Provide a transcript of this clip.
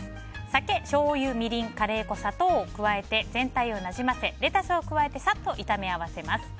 酒、しょうゆ、みりんカレー粉、砂糖を加えて全体をなじませレタスを加えてサッと炒め合わせます。